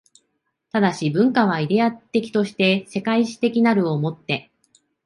但、文化はイデヤ的として世界史的なるを以て